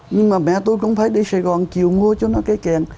nhưng mà mẹ tôi cũng phải đi sài gòn chiều mua cho nó cây kèn